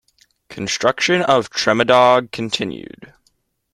Construction of Tremadog continued.